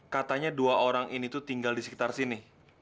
katanya dua orang ini tuh tinggal disekitar sini